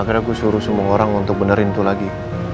akhirnya gue suruh semua orang untuk benerin tuh lagi